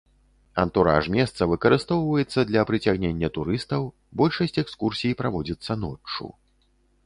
Антураж месца выкарыстоўваецца для прыцягнення турыстаў, большасць экскурсій праводзіцца ноччу.